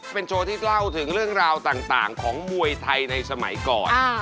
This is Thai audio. เป็นโชว์ที่เล่าถึงเรื่องราวต่างของมวยไทยในสมัยก่อน